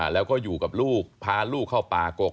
แล้วก็อยู่กับลูกพาลูกเข้าป่ากก